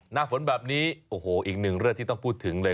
หน้าฝนแบบนี้โอ้โหอีกหนึ่งเรื่องที่ต้องพูดถึงเลย